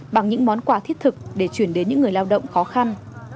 bằng những món quà thiết thực để chuyển đến những người lao động khó khăn